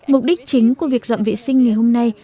mục đích chính của việc dọn vệ sinh ngày hôm nay